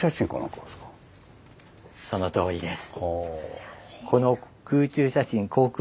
そのとおりです。